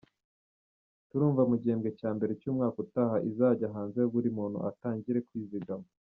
Turumva mu gihembwe cya mbere cy’umwaka utaha izajya hanze buri muntu atangire kwizigama.